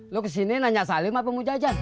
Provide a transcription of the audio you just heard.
lo kesini nanya salim apa mau jajan